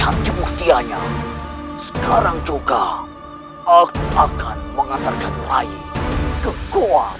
dan kekuatan mereka sangat tinggi sekali